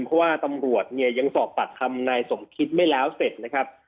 เพราะว่าตำรวจเนี่ยยังสอบปากคำนายสมคิดไม่แล้วเสร็จนะครับ